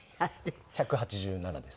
１８７です。